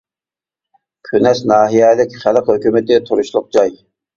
كۈنەس ناھىيەلىك خەلق ھۆكۈمىتى تۇرۇشلۇق جاي.